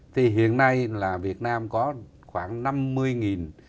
thì hiện nay là việt nam có khoảng năm mươi